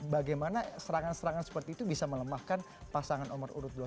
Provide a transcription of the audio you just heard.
bagaimana serangan serangan seperti itu bisa melemahkan pasangan nomor urut dua